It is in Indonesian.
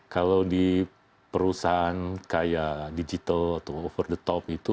kalau di perusahaan kayak digital atau over the top itu